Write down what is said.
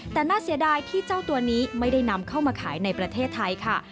แต่น่าเสียดายที่เจ้าตัวนี้ไม่ได้นำเข้ามาขายในประเทศไทยค่ะ